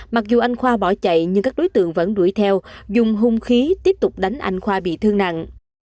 mặc dù anh khoa bỏ chạy nhưng các đối tượng vẫn đuổi theo dùng hung khí tiếp tục đánh anh khoa bị thương nặng